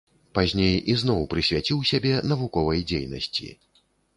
Пазней ізноў прысвяціў сябе навуковай дзейнасці.